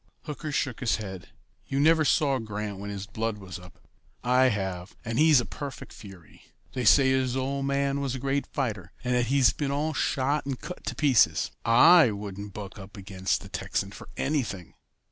Hooker shook his head. "You never saw Grant when his blood was up. I have, and he's a perfect fury. They say his old man was a great fighter, and that he's been all shot and cut to pieces. I wouldn't buck up against the Texan for anything."